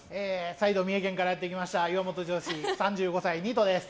再度三重県からやってきました岩本剛、３５歳、ニートです。